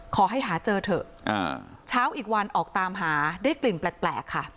ขอให้หาเจอเถอะเช้าอีกวันออกตามหาได้กลิ่นแปลกค่ะ